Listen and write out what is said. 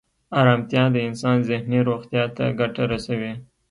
ارامتیا د انسان ذهني روغتیا ته ګټه رسوي.